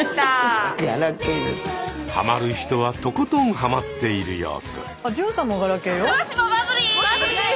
はまる人はとことんはまっている様子。